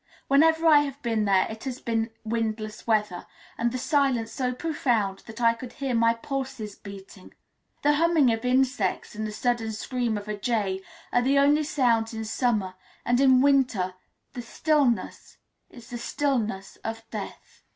Whenever I have been there it has been windless weather, and the silence so profound that I could hear my pulses beating. The humming of insects and the sudden scream of a jay are the only sounds in summer, and in winter the stillness is the stillness of death.